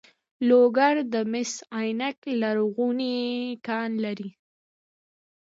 لوګر د مس عینک لرغونی کان لري